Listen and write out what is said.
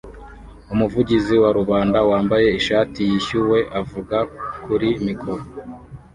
Umuvugizi wa rubanda wambaye ishati yishyuwe avuga kuri mikoro